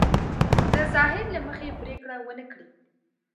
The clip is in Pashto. د ظاهر له مخې پرېکړه ونه کړي.